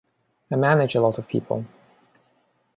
I manage a lot of people.